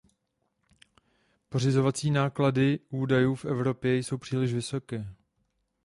Pořizovací náklady údajů v Evropě jsou příliš vysoké.